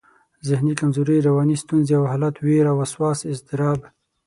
ذهني کمزوري، رواني ستونزې او حالت، وېره، وسواس، اضطراب